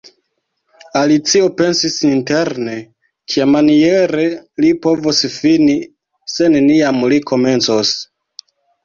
Alicio pensis interne, "Kiamaniere li povos fini, se neniam li komencos. »